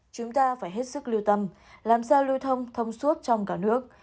chúng ta phải hết sức lưu tâm làm sao lưu thông thông suốt trong cả nước